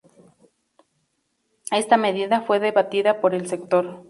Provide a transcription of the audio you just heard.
Esta medida fue debatida por el sector.